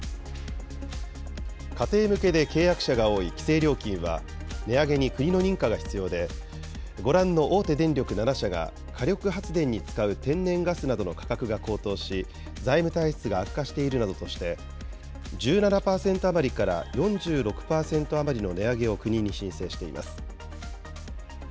家庭向けで契約者が多い規制料金は、値上げに国の認可が必要で、ご覧の大手電力７社が、火力発電に使う天然ガスなどの価格が高騰し、財務体質が悪化しているなどとして、１７％余りから４６％余りの値上げを国に申請しています。